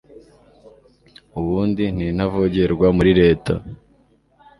uwundi nintavogerwa muri reta